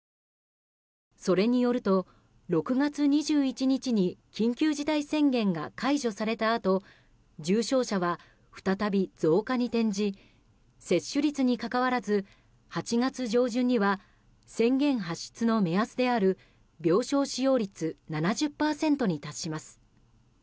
それによると、６月２１日に緊急事態宣言が解除されたあと重症者は再び増加に転じ接種率にかかわらず８月上旬には宣言発出の目安である病床使用率７０％に達します。